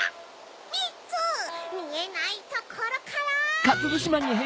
みっつみえないところから。